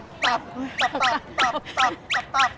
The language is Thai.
ตับตับตับ